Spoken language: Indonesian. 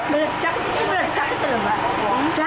ledak itu ledak itu lho mbak